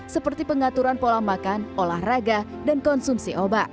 seperti pengaturan pola makan olahraga dan konsumsi obat